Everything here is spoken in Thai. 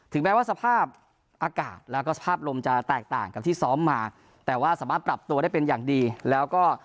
แม้ว่าสภาพอากาศแล้วก็สภาพลมจะแตกต่างกับที่ซ้อมมาแต่ว่าสามารถปรับตัวได้เป็นอย่างดีแล้วก็